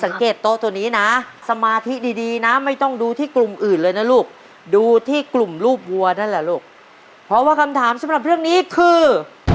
โต๊ะตัวนี้นะสมาธิดีดีนะไม่ต้องดูที่กลุ่มอื่นเลยนะลูกดูที่กลุ่มรูปวัวนั่นแหละลูกเพราะว่าคำถามสำหรับเรื่องนี้คือ